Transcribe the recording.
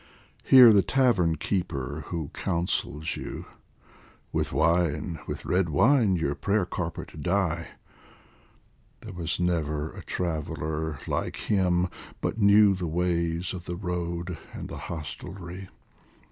Hear the Tavern keeper who counsels you :" With wine, with red wine your prayer carpet dye !" There was never a traveller like him but knew The ways of the road and the hostelry.